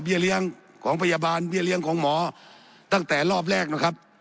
เลี้ยงของพยาบาลเบี้ยเลี้ยงของหมอตั้งแต่รอบแรกนะครับ